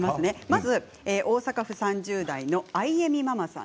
まず大阪府３０代の方。